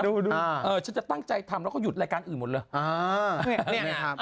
ฉันจะตั้งใจทำแล้วก็หยุดรายการอื่นหมดเลย